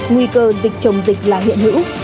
nguy cơ dịch chống dịch là hiện hữu